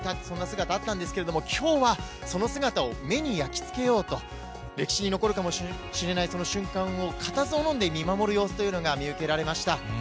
そんな姿、あったんですけれども、きょうはその姿を目に焼き付けようと、歴史に残るかもしれないその瞬間を固唾をのんで見守る様子というのが見受けられました。